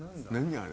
あれ。